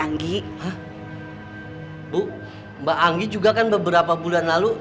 jadi mbak anggi juga beberapa bulan lalu